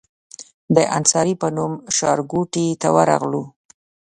د انصاري په نوم ښارګوټي ته ورغلو.